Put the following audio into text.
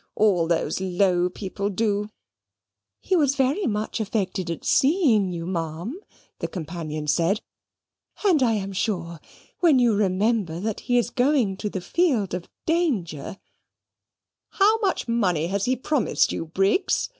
All those low people do " "He was very much affected at seeing you, ma'am," the companion said; "and I am sure, when you remember that he is going to the field of danger " "How much money has he promised you, Briggs?"